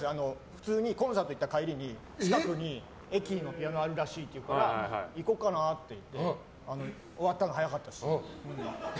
普通にコンサート行った帰りに近くの駅にピアノあるらしいっていうから行こうかなって言って終わったの早かったし。